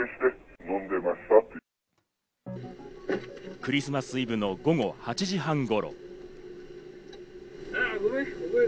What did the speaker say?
クリスマスイブの午後８時半頃。